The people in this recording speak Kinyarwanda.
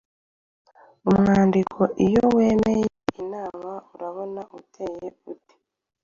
Umwandiko “Iyo wemeye inama!...” urabona uteye ute?